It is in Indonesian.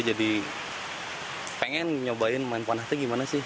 jadi pengen nyobain main panah itu gimana sih